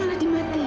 nah ngerti juga sih